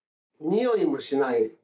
においもしない。